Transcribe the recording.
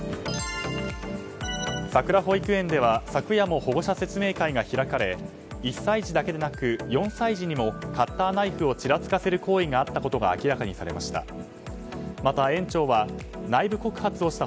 さくら保育園では昨夜も保護者説明会が開かれ１歳児だけでなく４歳児にもカッターナイフをちらつかせる行為があったことが明らかにされました。